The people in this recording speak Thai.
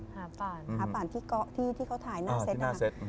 หาป่านที่เขาถ่ายหน้าเซ็ต